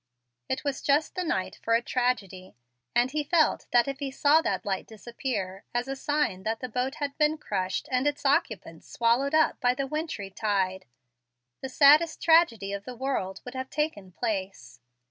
It was just the night for a tragedy, and he felt that if he saw that light disappear, as a sign that the boat had been crushed and its occupants swallowed up by the wintry tide, the saddest tragedy of the world would have taken place.